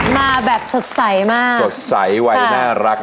มาแบบสดใสมากสดใสวัยน่ารัก